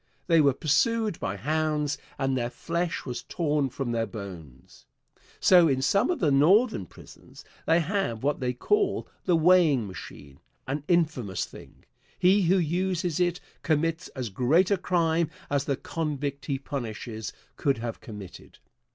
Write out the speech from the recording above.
They were pursued by hounds, and their flesh was torn from their bones. So in some of the Northern prisons they have what they call the weighing machine an infamous thing, and he who uses it commits as great a crime as the convict he punishes could have committed.